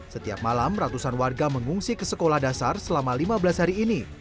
setiap malam ratusan warga mengungsi ke sekolah dasar selama lima belas hari ini